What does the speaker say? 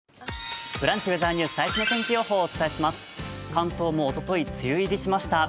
関東もおととい、梅雨入りしました。